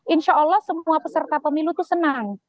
insya allah semua peserta pemilu itu senang